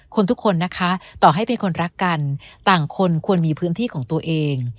ทุกคนนะคะต่อให้เป็นคนรักกันต่างคนควรมีพื้นที่ของตัวเอง